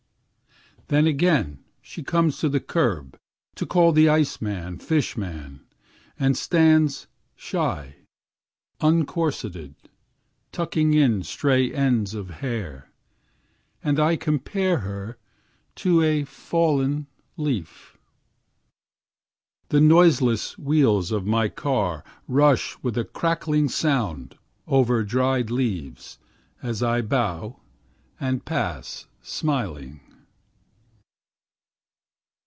Then again she comes to the curb to call the ice man, fish man, and stands shy, uncorseted, tucking in stray ends of hair, and I compare her to a fallen leaf. The noiseless wheels of my car rush with a crackling sound over dried leaves as I bow and pass smiling.